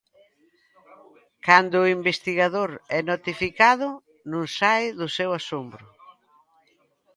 Cando o investigador é notificado non sae do seu asombro.